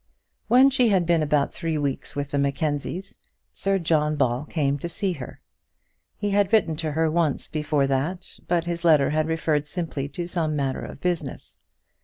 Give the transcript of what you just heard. When she had been about three weeks with the Mackenzies, Sir John Ball came to see her. He had written to her once before that, but his letter had referred simply to some matter of business.